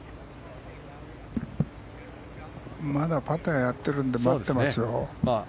まだパターをやってるので待ってますよ。